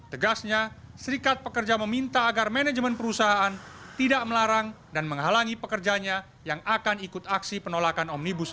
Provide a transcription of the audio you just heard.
tegasnya serikat pekerja meminta agar manajemen perusahaan tidak melarang dan menghalangi pekerjanya yang akan ikut aksi penolakan omnibus